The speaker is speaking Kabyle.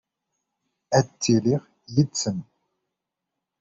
Ad ttiliɣ yid-sen.